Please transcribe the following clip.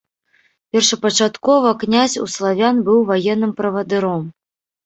Першапачаткова князь у славян быў ваенным правадыром.